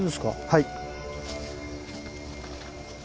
はい。